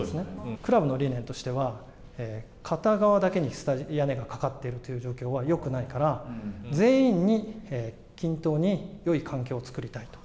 クラブの理念としては、片側だけに屋根がかかっているという状況はよくないから、全員に均等によい環境をつくりたいと。